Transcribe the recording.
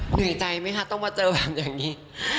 เหนื่อยใจไหมคะต้องมาเจอแบบอย่างนี้